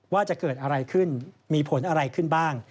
ว่าจะเกิดอะไรขึ้นมีผลอะไรขึ้นบ้าง